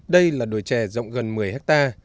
đây là đồi chè rộng gần một mươi hectare